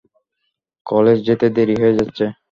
College যেতে দেরি হয়ে যাচ্ছে।